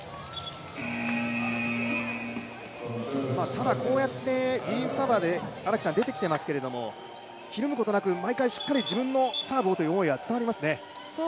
ただこうやってリリーフサーバーで出てきてますけどひるむことなく毎回しっかり自分のサーブをという思いは伝わりますね。